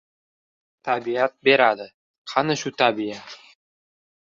Tabiat beradi! Qani, shu tabiat?